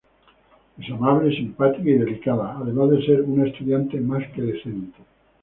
Es amable, simpática y dedicada, además de ser una estudiante más que decente.